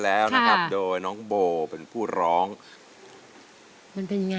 ทำไมคุณคิดนะ